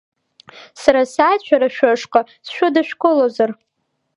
Сааит сара шәара шәышҟа, сшәыдышәкылозар!